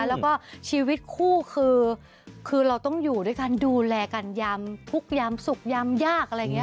แล้วก็ชีวิตคู่คือเราต้องอยู่ด้วยกันดูแลกันยามทุกข์ยามสุขยามยากอะไรอย่างนี้